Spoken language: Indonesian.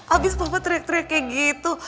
abis papa teriak teriaknya gitu